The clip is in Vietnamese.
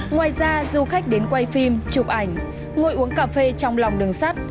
ngoài ra du khách đến quay phim chụp ảnh ngồi uống cà phê trong lòng đường sắt